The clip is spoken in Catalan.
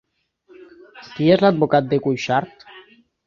Qui és l'advocat de Cuixart?